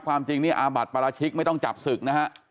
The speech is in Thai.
ความจริงนี่อาบัติปราชิกไม่ต้องจับศึกนะฮะ